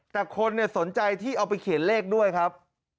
แต่คนสนใจที่เอาไปเขียนเลขด้วยครับ